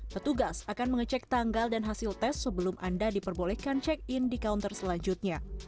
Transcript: petugas akan mengecek tanggal dan hasil tes sebelum anda diperbolehkan check in di counter selanjutnya